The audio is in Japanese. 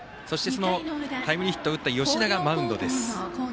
タイムリーヒットを打った吉田がマウンドです。